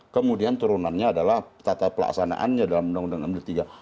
kemudian turunannya adalah tata pelaksanaannya dalam undang undang md tiga